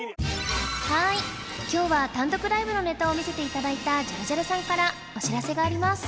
はい今日は単独ライブのネタを見せていただいたジャルジャルさんからお知らせがあります